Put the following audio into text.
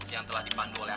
yang telah dipandu oleh